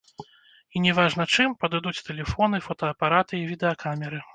І не важна чым, падыдуць тэлефоны, фотаапараты і відэакамеры.